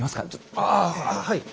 ああはい。